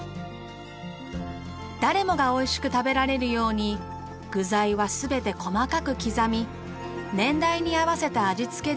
誰もがおいしく食べられるように具材は全て細かく刻み年代に合わせた味付けで仕上げています。